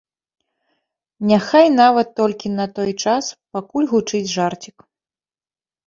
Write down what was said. Няхай нават толькі на той час, пакуль гучыць жарцік.